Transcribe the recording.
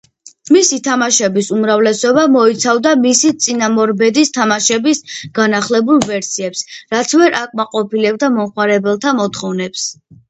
მისი თამაშების უმრავლესობა მოიცავდა მისი წინამორბედის თამაშების განახლებულ ვერსიებს, რაც ვერ აკმაყოფილებდა მომხმარებელთა მოთხოვნებს.